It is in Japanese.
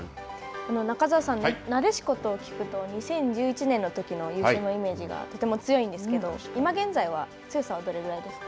中澤さん、なでしこって聞くと２０１１年のときの優勝のイメージがとても強いんですけど今現在の強さはどれくらいですか。